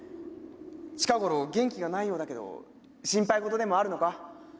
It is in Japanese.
近頃元気がないようだけど心配事でもあるのか？